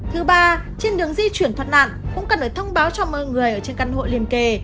thứ ba trên đường di chuyển thoát nạn cũng cần phải thông báo cho mơ người ở trên căn hộ liền kề